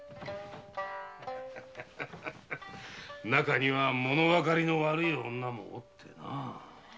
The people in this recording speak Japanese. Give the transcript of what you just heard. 中にはものわかりの悪い女もいてな。